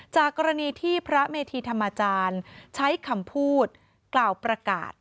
จากกรณีที่พระเมธีธรรมจารย์ใช้คำพูดกล่าวประกาศ